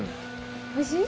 おいしい？